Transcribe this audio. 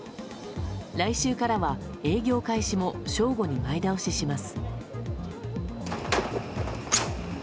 来週からは営業開始も正午に前倒しします。